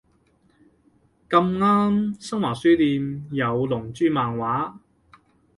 咁啱新華書店有龍珠漫畫